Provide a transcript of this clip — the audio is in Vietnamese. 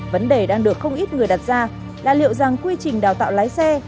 vấn đề đang được không ít người đặt ra là liệu rằng quy trình đào tạo lái xe